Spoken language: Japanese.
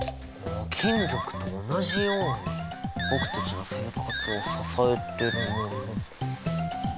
金属と同じように僕たちの生活を支えてるもの。